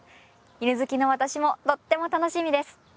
犬好きの私もとっても楽しみです。